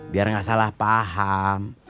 biar gak salah paham